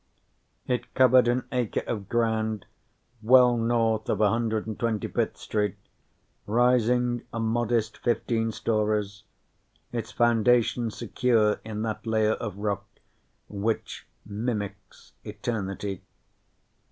It covered an acre of ground well north of 125th Street, rising a modest fifteen stories, its foundation secure in that layer of rock which mimics eternity.